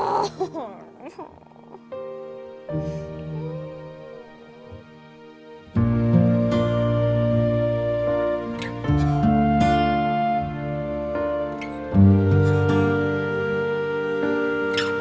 udah gitu sama sanksinya juga